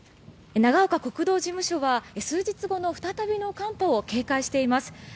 長岡国道事務所は数日後の再びの寒波を警戒しています。